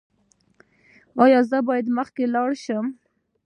ایا زه باید مخکې لاړ شم؟